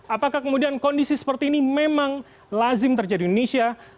apakah kemudian kondisi seperti ini memang lazim terjadi di indonesia